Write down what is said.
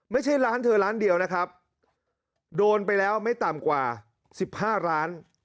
ไม่ใช่ร้านเธอร้านเดียวนะครับโดนไปแล้วไม่ต่ำกว่า๑๕ล้าน